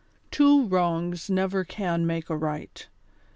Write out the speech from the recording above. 151 Two wrongs never can make a right.